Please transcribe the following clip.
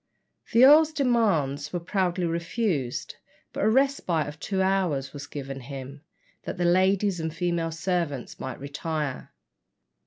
The earl's demands were proudly refused, but a respite of two hours was given him, that the ladies and female servants might retire.